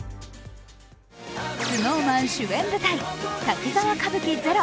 ＳｎｏｗＭａｎ主演舞台「滝沢歌舞伎ＺＥＲＯ」